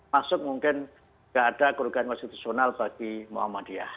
maksud mungkin tidak ada kerugian konstitusional bagi muhammadiyah